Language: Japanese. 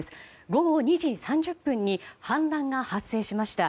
午後２時３０分に氾濫が発生しました。